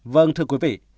vâng thưa quý vị